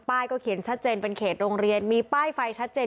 เขียนชัดเจนเป็นเขตโรงเรียนมีป้ายไฟชัดเจน